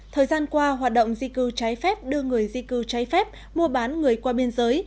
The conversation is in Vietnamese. thời gian qua hoạt động di cư trái phép đưa người di cư trái phép mua bán người qua biên giới